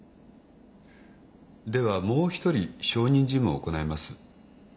ではもう一人証人尋問を行います。